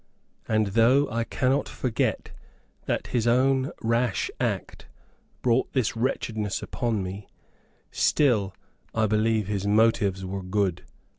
And though I cannot forget that his own rash act brought this wretchedness upon me, still, I believe his motives were good.